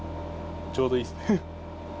ちょうどいいっすね。